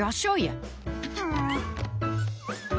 よし。